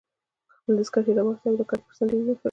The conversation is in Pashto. خپلې دستکشې يې راواخیستې او د کټ پر څنډه ېې ووهلې.